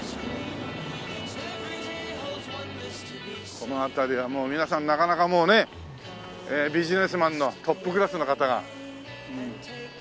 この辺りは皆さんなかなかもうねえビジネスマンのトップクラスの方が。